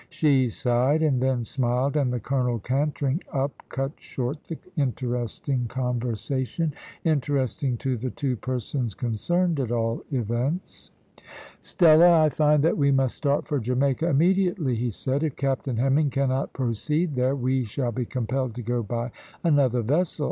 She sighed, and then smiled, and the colonel cantering up cut short the interesting conversation interesting to the two persons concerned, at all events. "Stella, I find that we must start for Jamaica immediately," he said. "If Captain Hemming cannot proceed there, we shall be compelled to go by another vessel.